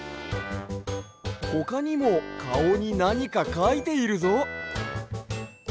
ほかにもかおになにかかいているぞ。